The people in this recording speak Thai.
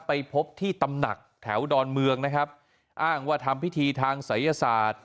ไปพบที่ตำหนักแถวดอนเมืองนะครับอ้างว่าทำพิธีทางศัยศาสตร์